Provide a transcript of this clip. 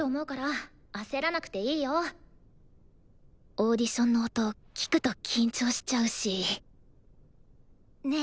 オーディションの音聴くと緊張しちゃうしねえ